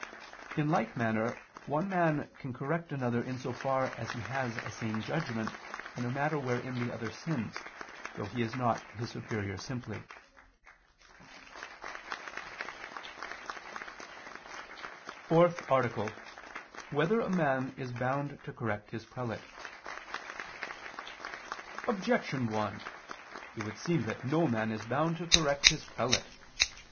In like manner one man can correct another in so far as he has a sane judgment in a matter wherein the other sins, though he is not his superior simply. _______________________ FOURTH ARTICLE [II II, Q. 33, Art. 4] Whether a Man Is Bound to Correct His Prelate? Objection 1: It would seem that no man is bound to correct his prelate.